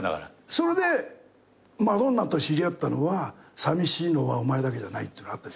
それでマドンナと知り合ったのは『淋しいのはお前だけじゃない』っていうのがあった。